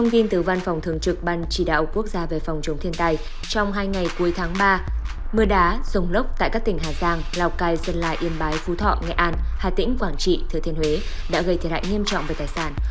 nghệ an hà tĩnh quảng trị thứ thiên huế đã gây thiệt hại nghiêm trọng về tài sản